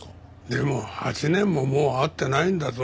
でも８年ももう会ってないんだぞ。